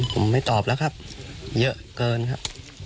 ผมไม่ตอบแล้วครับเยอะเกินครับ